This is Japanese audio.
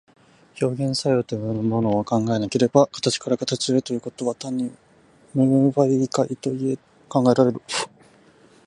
表現作用というものを考えなければ、形から形へということは単に無媒介と考えられる。